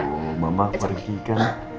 oh mama pergi kan